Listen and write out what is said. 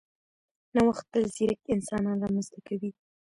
نوښت تل ځیرک انسانان رامنځته کوي.